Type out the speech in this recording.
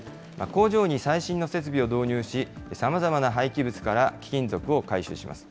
工場に最新の設備を導入し、さまざまな廃棄物から貴金属を回収します。